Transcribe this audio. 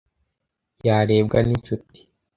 Yarebwa ninshuti.